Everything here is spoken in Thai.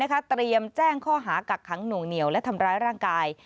เตรียมแจ้งข้อหากักขังหน่วงเหนียวและทำร้ายร่างกาย